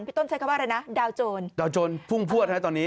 ต้นใช้คำว่าอะไรนะดาวโจรดาวโจรพุ่งพวดฮะตอนนี้